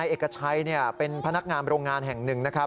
อเอกชัยเป็นพนักงามโรงงานแห่งหนึ่ง